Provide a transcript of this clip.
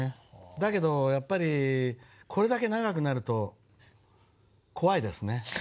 だけどやっぱりこれだけ長くなると怖いですね。